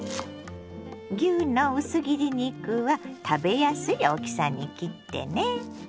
牛の薄切り肉は食べやすい大きさに切ってね。